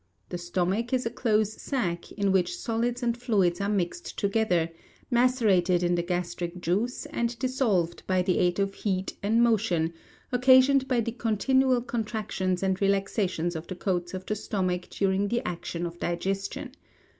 The stomach is a close sac, in which solids and fluids are mixed together, macerated in the gastric juice, and dissolved by the aid of heat and motion, occasioned by the continual contractions and relaxations of the coats of the stomach during the action of digestion.